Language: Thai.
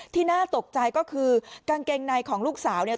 น่าตกใจก็คือกางเกงในของลูกสาวเนี่ย